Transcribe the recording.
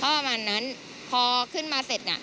พอขึ้นมาเสร็จ